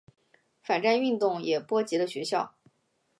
反战运动也波及了学校。